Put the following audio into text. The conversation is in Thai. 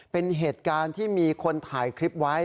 เป็นเหตุการณ์ที่มีคนถ่ายคลิปไว้